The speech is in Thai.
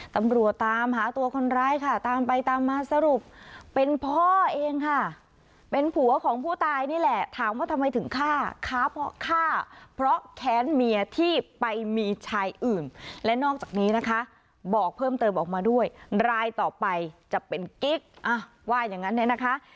ตำรวจตามหาตัวคนร้ายค่ะตามไปตามมาสรุปเป็นพ่อเองค่ะเป็นผัวของผู้ตายนี่แหละถามว่าทำไมถึงฆ่าค้าเพราะฆ่าเพราะแค้นเมียที่ไปมีชายอื่นและนอกจากนี้นะคะบอกเพิ่มเติมออกมาด้วยรายต่อไปจะเป็นกิ๊กอ่ะว่าอย่างนั้นเนี่ยนะคะ